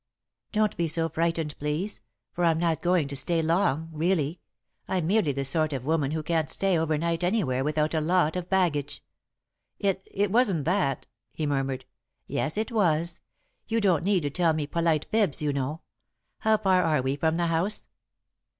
"Don't be so frightened, please, for I'm not going to stay long, really. I'm merely the sort of woman who can't stay over night anywhere without a lot of baggage." "It it wasn't that," he murmured. "Yes, it was. You don't need to tell me polite fibs, you know. How far are we from the house?"